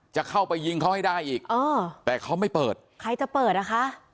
จะเข้าไปยิงเขาให้ได้อีกเออแต่เขาไม่เปิดใครจะเปิดอ่ะคะ